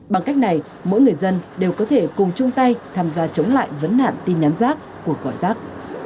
bằng cách này mỗi người dân đều có thể cùng chung tay tham gia chống lại vấn nạn tin nhắn giác của gọi giác